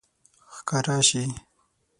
ښکاره شي